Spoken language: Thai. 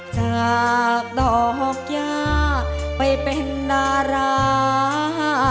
จากดอกย่าไปเป็นดารา